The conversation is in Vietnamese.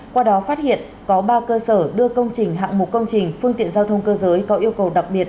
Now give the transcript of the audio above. qua đó phát hiện có ba cơ sở đưa công trình hạng mục công trình phương tiện giao thông cơ giới có yêu cầu đặc biệt